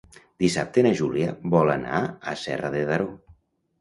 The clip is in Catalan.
Dissabte na Júlia vol anar a Serra de Daró.